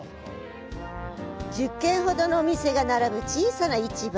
１０軒ほどのお店が並ぶ小さな市場。